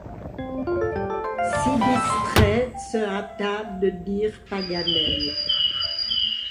Si distrait, se hâta de dire Paganel.